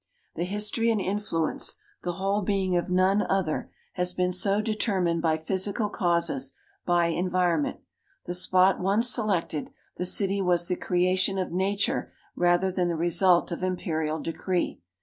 The history and influence, the whole being of none other, has been so determined by physical causes, by environment. The spot once selected, the city was the creation of nature rather than the result of imperial decree.